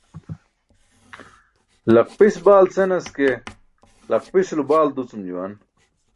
"laqpis baalt" senas ke, laqpisulo balt ducum juwan.